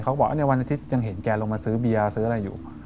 เขาบอกในวันอาทิตย์ยังเห็นแกลงมาซื้อเบียร์ซื้ออะไรอยู่